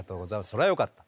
それはよかった。